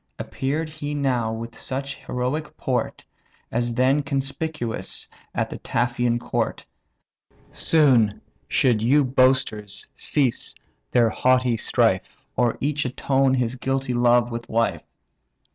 Appear'd he now with such heroic port, As then conspicuous at the Taphian court; Soon should yon boasters cease their haughty strife, Or each atone his guilty love with life.